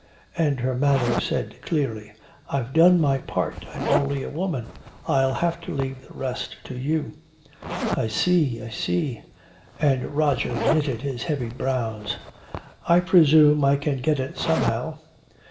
And her manner said clearly, "I've done my part. I'm only a woman. I'll have to leave the rest to you." "I see I see." And Roger knitted his heavy brows. "I presume I can get it somehow."